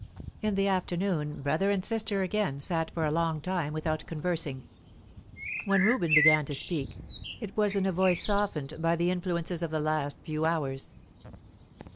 In the afternoon, brother and sister again sat for a long time without conversing. When Reuben began to speak, it was in a voice softened by the influences of the last few hours.